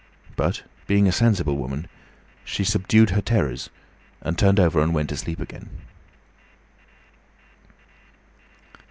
But being a sensible woman, she subdued her terrors and turned over and went to sleep again.